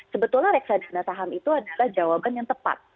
sebetulnya reksadana saham itu adalah jawaban yang tepat